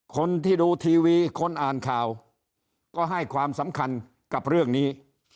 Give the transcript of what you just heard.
คนที่ดูทีวีคนอ่านข่าวก็ให้ความสำคัญกับเรื่องนี้